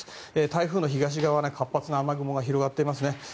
台風の東側は活発な雨雲が広がっています。